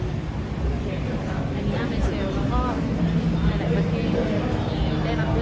หลายประเทศที่ได้รับเวลา